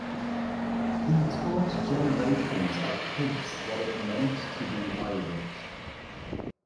He taught generations of kids what it meant to be Irish.